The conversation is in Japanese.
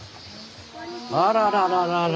あららららら。